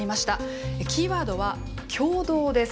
キーワードは「協働」です。